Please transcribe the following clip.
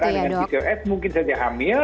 jadi orang yang pcos mungkin saja hamil